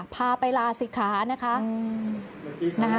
พาไปลาศิษย์ค้านะคะ